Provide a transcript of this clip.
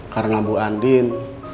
karena bu andin